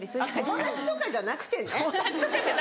友達とかじゃなくて！